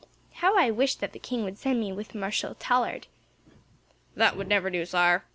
"How I wish that the king would send me with Marshal Tallard!" "That would never do, Sire.